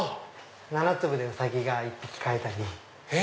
７粒でウサギが１匹買えたり。